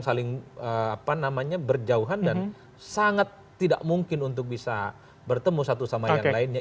jadi ini adalah satu peringkat yang sangat penting untuk bisa bertemu satu sama yang lainnya